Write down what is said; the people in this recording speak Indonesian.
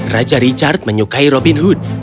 raja richard menyukai robin hood